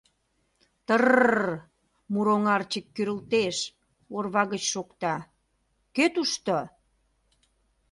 — Тр-р! — муроҥарчык кӱрылтеш, орва гыч шокта: — Кӧ тушто?